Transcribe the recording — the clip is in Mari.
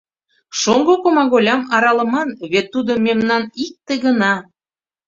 Шоҥго комаголям аралыман, вет тудо мемнан икте гына.